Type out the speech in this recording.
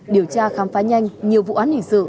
điều tra khám phá nhanh nhiều vụ án hình sự